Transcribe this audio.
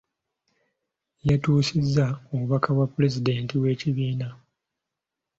Yatuusizza obubaka bwa Pulezidenti w’ekibiina.